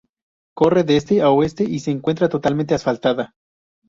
Corre de este a oeste y se encuentra totalmente asfaltada.